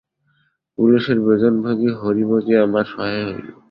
পুলিসের বেতনভোগী হরিমতি আমার সহায় হইল।